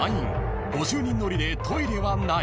［５０人乗りでトイレはない］